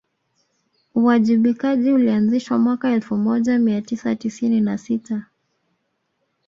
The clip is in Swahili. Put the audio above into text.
uwajibikaji ulianzishwa mwaka elfu moja mia tisa tisini na sita